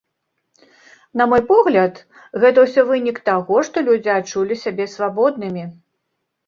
На мой погляд, гэта ўсё вынік таго, што людзі адчулі сябе свабоднымі.